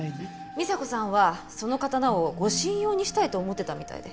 美沙子さんはその刀を護身用にしたいと思ってたみたいで。